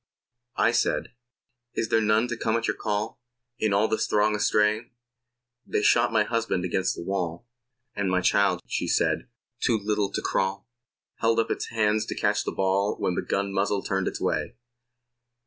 I said: Is there none to come at your call In all this throng astray? They shot my husband against a wall, And my child (she said), too little to crawl, Held up its hands to catch the ball When the gun muzzle turned its way.